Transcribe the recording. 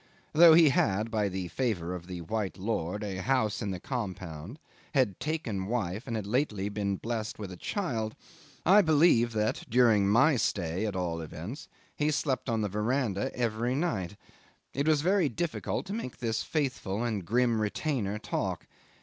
Though he had (by the favour of the white lord) a house in the compound, had "taken wife," and had lately been blessed with a child, I believe that, during my stay at all events, he slept on the verandah every night. It was very difficult to make this faithful and grim retainer talk.